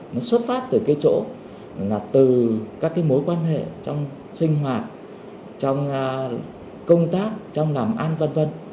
nó xuất phát từ cái chỗ là từ các cái mối quan hệ trong sinh hoạt trong công tác trong làm ăn v v